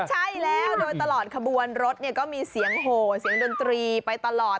ใช่แล้วโดยตลอดขบวนรถก็มีเสียงโหเสียงดนตรีไปตลอด